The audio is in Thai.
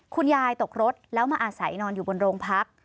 ตกรถแล้วมาอาศัยนอนอยู่บนโรงพัก